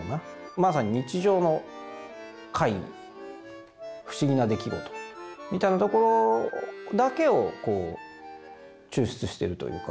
まさに日常の怪異不思議な出来事みたいなところだけをこう抽出してるというか。